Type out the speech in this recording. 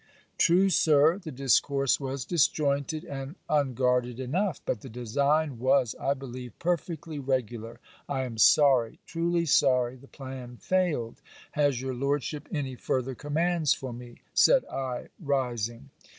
'True, Sir, the discourse was disjointed and unguarded enough; but the design was, I believe, perfectly regular. I am sorry, truly sorry, the plan failed. Has your lordship any further commands for me?' said I, rising.